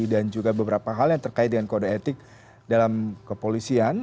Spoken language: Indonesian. dan juga beberapa hal yang terkait dengan kode etik dalam kepolisian